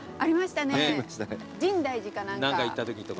深大寺か何か。